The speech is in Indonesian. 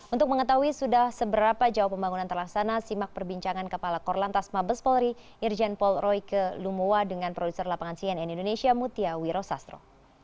untuk mengetahui sudah seberapa jauh pembangunan terlaksana simak perbincangan kepala korlantas mabes polri irjen polroike lumua dengan produser lapangan cnn indonesia mutia wiro sastro